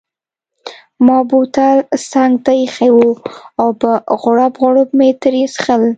ما بوتل څنګته ایښی وو او په غوړپ غوړپ مې ترې څیښل.